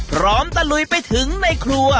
พร้อมตะลุยไปถึงในครัว